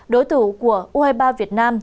đối thủ của u hai mươi ba việt nam